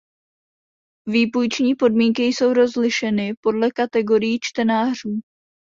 Výpůjční podmínky jsou rozlišeny podle kategorií čtenářů.